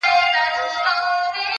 پلار مي راته وويل.